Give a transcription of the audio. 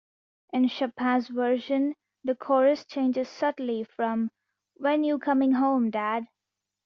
In Chapin's version, the chorus changes subtly from when you coming home, dad?